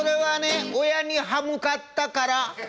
「親にはむかったから」